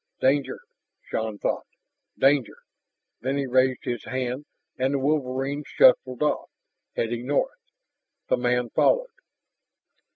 Danger ... Shann thought "danger." Then he raised his hand, and the wolverine shuffled off, heading north. The man followed.